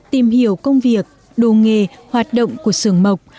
tìm hiểu công việc đồ nghề hoạt động của sưởng mộc